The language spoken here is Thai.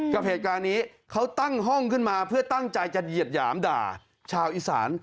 กับเหตุการณ์นี้เขาตั้งห้องขึ้นมาเพื่อตั้งใจจะเหยียดหยามด่าชาวอีสาน